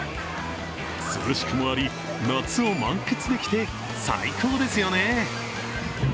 涼しくもあり、夏を満喫できて最高ですよね。